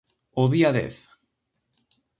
O día dez.